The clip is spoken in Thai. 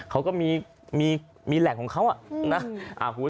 เขาก็มีแหล่งของเขานะ